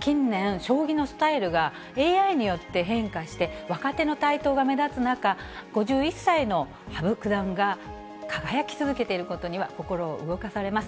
近年、将棋のスタイルがＡＩによって変化して、若手の台頭が目立つ中、５１歳の羽生九段が輝き続けていることには、心を動かされます。